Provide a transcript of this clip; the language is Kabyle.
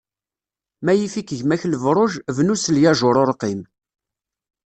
Ma yif-ik gma-k lebṛuj, bnu s lyajuṛ urqim.